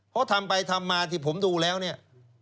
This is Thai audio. เขาทำไปทำมาที่ผมดูแล้วเนี่ย